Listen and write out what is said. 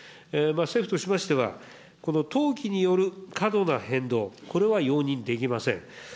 政府としましては、投機による過度な変動、これは容認できません。